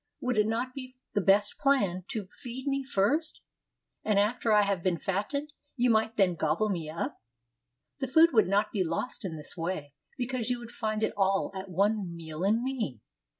Would it not be the best plan to feed me first, and after I have been fattened, you might then gobble me up? The food would not be lost in this way, because you would find it all at one meal in me.